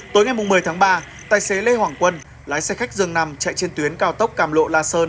tối ngày một mươi tháng ba tài xế lê hoàng quân lái xe khách dường nằm chạy trên tuyến cao tốc cam lộ la sơn